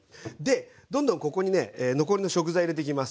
どんどんここにね残りの食材入れてきます。